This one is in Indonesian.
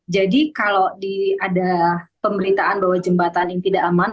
kalau ada pemberitaan bahwa jembatan ini tidak aman